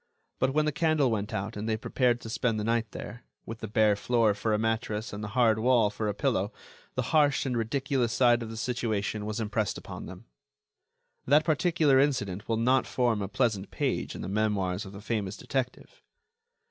But when the candle went out and they prepared to spend the night there, with the bare floor for a mattress and the hard wall for a pillow, the harsh and ridiculous side of the situation was impressed upon them. That particular incident will not form a pleasant page in the memoirs of the famous detective.